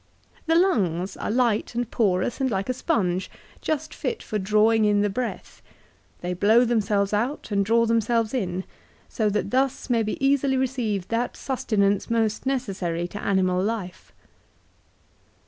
" The lungs are light and porous and like a sponge, just fit for drawing in the breath. They blow themselves out and draw themselves in, so that thus may be easily received that sustenance most necessary to animal life."